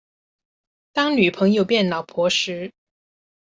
當女朋友變老婆時